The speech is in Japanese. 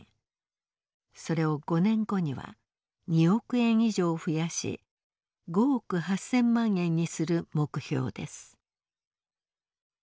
それを５年後には２億円以上増やし５億８，０００万円にする目標です。